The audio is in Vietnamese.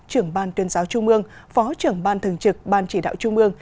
trưởng ban tuyên giáo trung ương phó trưởng ban thường trực ban chỉ đạo trung ương